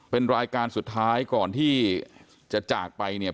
เป็นรายการสุดท้ายก่อนที่จะจากไปเนี่ย